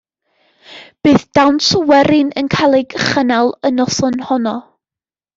Bydd dawns werin yn cael ei chynnal y noson honno.